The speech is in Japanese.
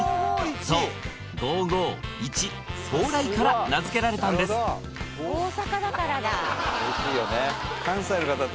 そう「５５」「１」「蓬莱」から名付けられたんですおいしいよね